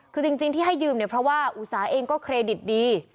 คือจริงที่ให้ยืมเนี่ยเพราะว่าอุตสาห์เองก็เครดิตดี